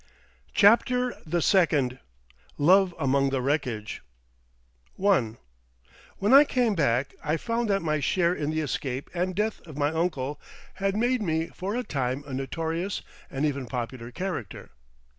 CHAPTER THE SECOND LOVE AMONG THE WRECKAGE I When I came back I found that my share in the escape and death of my uncle had made me for a time a notorious and even popular character.